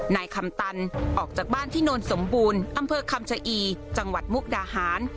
นายคำตันออกจากบ้านที่โนนสมบูรณ์อำเภอคำชะอีจังหวัดมุกดาหาร